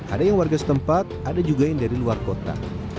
ada yang warga setempat ada juga yang dari luar kota